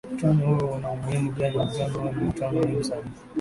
mkutano huo una umuhimu gani mkutano huu ni mkutano muhimu sana